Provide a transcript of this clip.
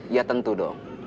ya tentu dong